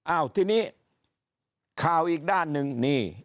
อ้าวทีนี้ข่าวอีกด้านหนึ่งนี่